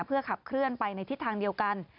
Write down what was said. เพื่อขับเคลื่อนไปในทิศทางเดียวกัน